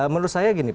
menurut saya gini